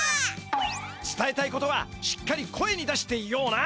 つたえたいことはしっかり声に出して言おうな！